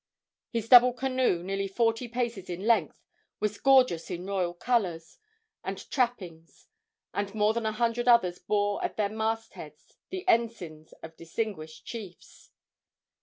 His double canoe, nearly forty paces in length, was gorgeous in royal colors and trappings, and more than a hundred others bore at their mast heads the ensigns of distinguished chiefs.